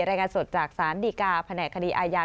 รายงานสดจากสารดีกาแผนกคดีอาญา